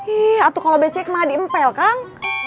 ih atuh kalau becek emang diempel kang